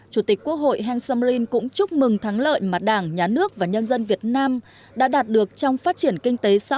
chủ tịch quốc hội hansomrin cũng chúc mừng thắng lợi mà đảng nhà nước và nhân dân việt nam đã đạt được trong phát triển kinh tế